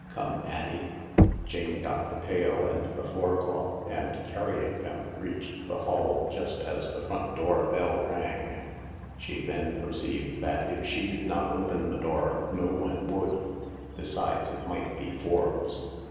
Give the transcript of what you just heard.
Come, Addie." Jaije got the pail and the floor cloth and, carrying them, reached the hall just as the front door bell rang. She then perceived that if she did not open the door no one would. Besides, it might be Forbes.